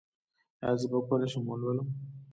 ایا زه به وکولی شم ولولم؟